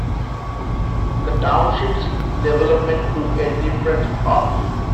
The township's development took a different path.